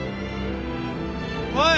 おい！